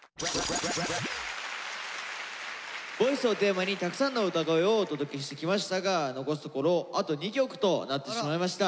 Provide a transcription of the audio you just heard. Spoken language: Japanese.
「ＶＯＩＣＥ」をテーマにたくさんの歌声をお届けしてきましたが残すところあと２曲となってしまいました。